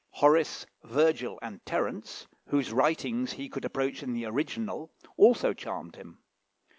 Horace, Virgil, and Terence, whose writings he could approach in the original, also charmed him.